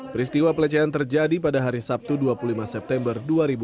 peristiwa pelecehan terjadi pada hari sabtu dua puluh lima september dua ribu dua puluh